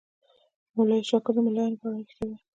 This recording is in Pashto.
مولوي شاکر د ملایانو په اړه ریښتیا ویل.